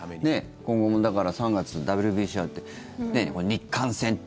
今後も、だから３月ＷＢＣだって、日韓戦って。